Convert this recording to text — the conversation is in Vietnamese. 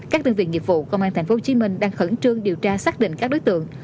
các tân viện nghiệp vụ tp hcm đang khẩn trương điều tra xác định các đối tượng